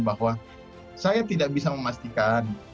bahwa saya tidak bisa memastikan